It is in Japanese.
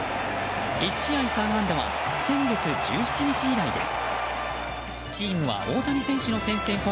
１試合３安打は先月１７日以来です。